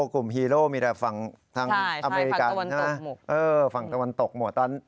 กลุ่มฮีโร่มีแต่ฝั่งอเมริกันฝั่งตะวันตกหมด